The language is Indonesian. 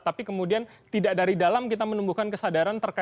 tapi kemudian tidak dari dalam kita menumbuhkan kesadaran terkait